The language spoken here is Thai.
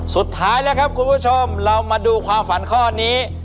สุดท้ายแล้วครับคุณผู้ชมเรามาดูความฝันข้อนี้